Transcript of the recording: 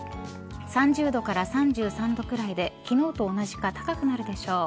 ３０度から３３度くらいで昨日と同じか高くなるでしょう。